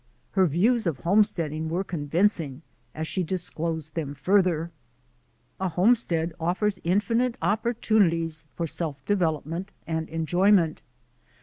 Her views of homesteading were convincing, as she disclosed them further: "A homestead offers infinite opportunities for self development and enjoyment.